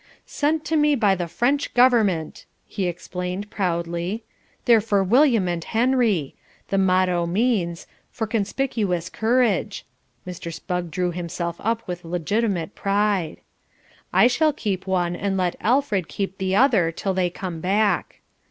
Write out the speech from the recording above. "Sent to me by the French government," he explained proudly. "They're for William and Henry. The motto means, 'For Conspicuous Courage"' (Mr. Spugg drew himself up with legitimate pride). "I shall keep one and let Alfred keep the other till they come back."